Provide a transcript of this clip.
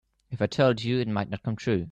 If I told you it might not come true.